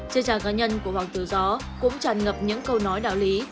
trên trạng cá nhân của hoàng tử gió cũng tràn ngập những câu nói đạo lý